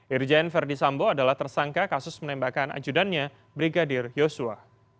irjen verdi sambo adalah tersangka kasus penembakan ajudannya brigadir yosua